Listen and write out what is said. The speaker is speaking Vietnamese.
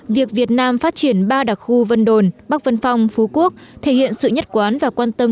việc việt nam phát triển ba đặc khu vân đồn bắc vân phong phú quốc thể hiện sự nhất quán và quan tâm